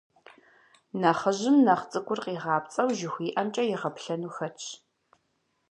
Нэхъыжьым нэхъ цӏыкӏур, къигъапцӏэу, жыхуиӏэмкӏэ игъэплъэну хэтщ.